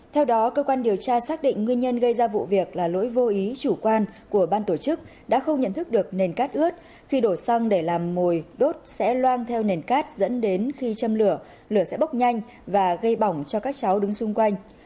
theo đó cơ quan điều tra xác định nguyên nhân gây ra vụ việc là lỗi vô ý chủ quan của ban tổ chức đã không nhận thức được nền cát ướt khi đổ xăng để làm mồi đốt sẽ loang theo nền cát dẫn đến khi châm lửa lửa sẽ bốc nhanh và gây bỏng cho các cháu đứng xung quanh